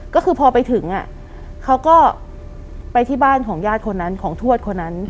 ก็คือพอไปถึงเขาก็ไปที่บ้านของญาติคนนั้นของทวดคนนั้น